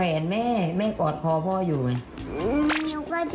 เห็นแม่แม่กอดคอพ่ออยู่ไง